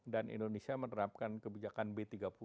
dan indonesia menerapkan kebijakan b tiga puluh